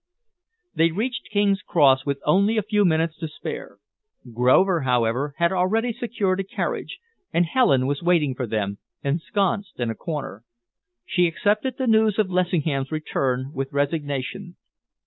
They reached King's Cross with only a few minutes to spare. Grover, however, had already secured a carriage, and Helen was waiting for them, ensconced in a corner. She accepted the news of Lessingham's return with resignation.